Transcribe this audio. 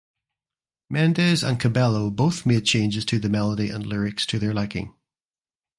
Mendes and Cabello both made changes to the melody and lyrics to their liking.